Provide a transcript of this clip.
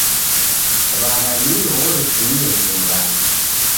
W'aw'a nio orefumieghe Mghange.